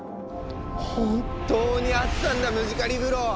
本当にあったんだムジカリブロ！